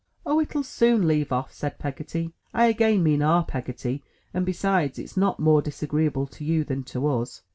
*'0h, it'll soon leave off," said Peggotty — I again mean our Peg gotty — "and besides, it's not more disagreeable to you than to us."